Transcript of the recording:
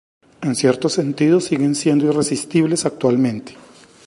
En cierto sentido, siguen siendo irresistibles actualmente.